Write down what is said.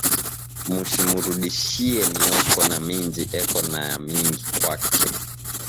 Mushimurudishiye mioko na minji eko na ya mingi kwake